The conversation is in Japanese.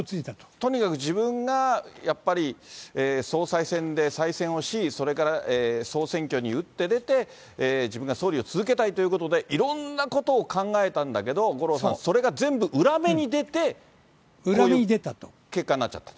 とにかく自分が、やっぱり総裁選で再選をし、それから総選挙に打って出て、自分が総理を続けたいということで、いろんなことを考えたんだけれど、五郎さん、それが全部裏目に出て、こういう結果になっちゃったと。